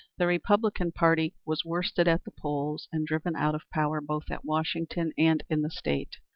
The Republican Party was worsted at the polls and driven out of power both at Washington and in the State.